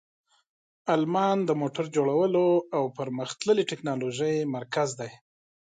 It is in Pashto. آلمان د موټر جوړولو او پرمختللې تکنالوژۍ مرکز دی.